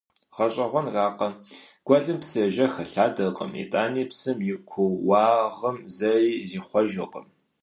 ГъэщӀэгъуэнракъэ, гуэлым псы ежэх хэлъадэркъым, итӀани псым и куууагъым зэи зихъуэжыркъым.